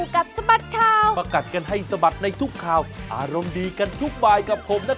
กลับให้พ่อสาวคอนแฟนธ์ชมชื่อของเกม